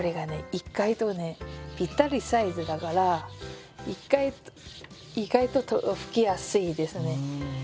意外とねぴったりサイズだから意外と拭きやすいですね。